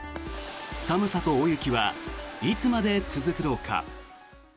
寒さと大雪はいつまで続くのか。